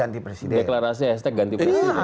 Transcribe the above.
deklarasi hashtag ganti presiden